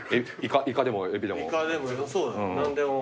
イカでもエビでも。